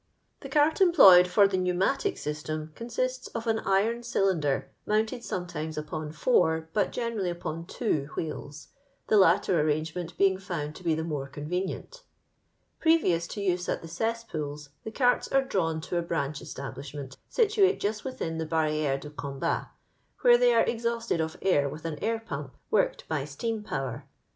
The eati employed fat the_ ^ tem consiste of an iroii cylinderi sometimee upon four, but genecallj mm teo wheels, the latter airangemeiit being found to be the more convenient. Prerioias to use at the oempodi, the certs ere drawn to a brsndi establishment, situate Just within the Bairiers dn Combati where thsgr are *iThanetad of sir with sn air pump, worioad by eteam power.